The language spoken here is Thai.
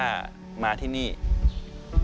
ให้กับคนที่จะมาเรียนนะครับแล้วไม่ปิดกั้นนะครับ